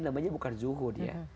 namanya bukan zuhud ya